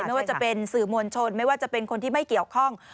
ไม่ว่าจะเป็นสื่อมวลชนไม่ว่าจะเป็นคนที่ไม่เกี่ยวข้อง